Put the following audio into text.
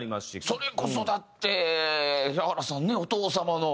それこそだって平原さんねお父様の。